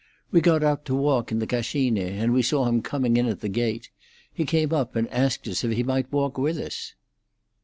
"We got out to walk in the Cascine, and we saw him coming in at the gate. He came up and asked if he might walk with us."